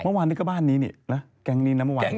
เมื่อวานก็บ้านนี้นี่แล้วแกงนี้เนี่ยเมื่อวาน